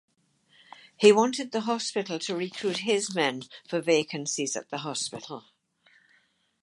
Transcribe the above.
He wanted the hospital to recruit his men for vacancies at the hospital.